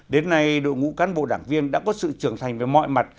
đến nay đội ngũ cán bộ đảng viên đã có sự trưởng thành về mọi mặt